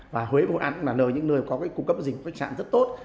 và huế và hội an cũng là nơi có cung cấp dịch khách sạn rất tốt